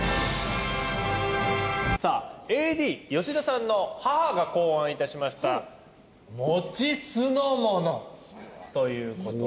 さあＡＤ吉田さんの母が考案致しましたもち酢の物という事です。